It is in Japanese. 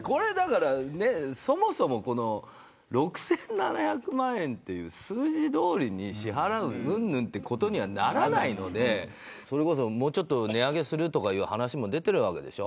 そもそも６７００万円という数字どおりに支払ううんぬんということにはならないのでもうちょっと値上げするという話も出ているわけでしょ。